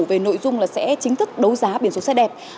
về nội dung là sẽ chính thức đấu giá biển số xe đẹp